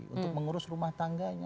untuk mengurus rumah tangganya